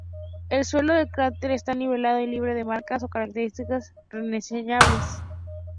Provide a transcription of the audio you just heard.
El suelo del cráter está nivelado y libre de marcas o características reseñables.